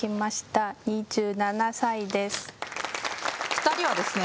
２人はですね